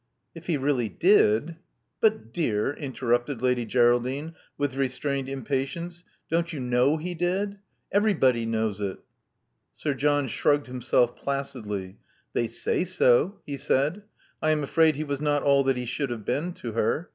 If he really did " "But, dear, interrupted Lady Greraldine, with restrained impatience, "don't you know he did? Everybody knows it." Sir John shrugged himself placidly. "They say so," he said. "I am afraid he was not all that he should have been to her.